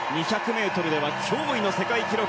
２００ｍでは驚異の世界記録。